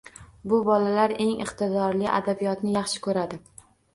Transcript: Bu bolalar eng iqtidorli, adabiyotni yaxshi ko‘radi.